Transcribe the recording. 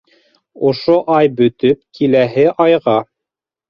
Ошо ай бөтөп, киләһе айға